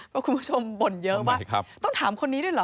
เพราะฮุครุบ่นเยอะว่าต้องถามคนนี้ด้วยหรอ